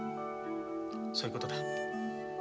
そういうことだ。